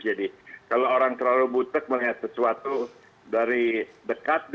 jadi kalau orang terlalu butuh melihat sesuatu dari dekat